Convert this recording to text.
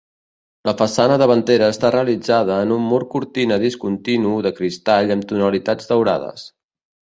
La façana davantera està realitzada en un mur cortina discontinu de cristall amb tonalitats daurades.